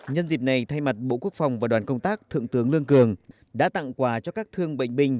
nhân dịp này thay mặt bộ quốc phòng và đoàn công tác thượng tướng lương cường đã tặng quà cho các thương bệnh binh